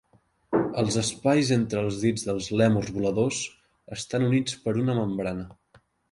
Els espais entre els dits del lèmurs voladors estan units per una membrana.